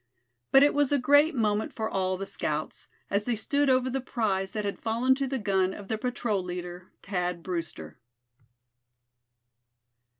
But it was a great moment for all the scouts, as they stood over the prize that had fallen to the gun of their patrol leader, Thad Brewster.